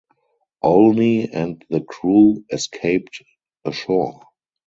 Olney and the crew escaped ashore.